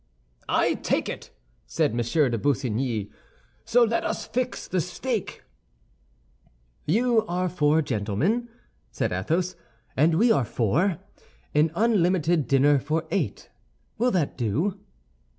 "I take it," said M. de Busigny; "so let us fix the stake." "You are four gentlemen," said Athos, "and we are four; an unlimited dinner for eight. Will that do?"